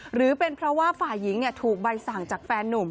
หรือเป็นเพราะว่าฝ่ายหญิงถูกใบสั่งจากแฟนนุ่ม